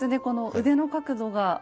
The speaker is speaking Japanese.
この腕の角度が。